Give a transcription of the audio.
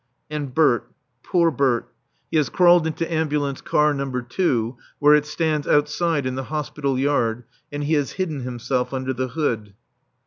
And Bert, poor Bert! he has crawled into Ambulance Car No. 2 where it stands outside in the hospital yard, and he has hidden himself under the hood.